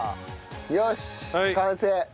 よし完成。